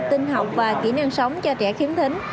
tinh học và kỹ năng sống cho trẻ khiếm thính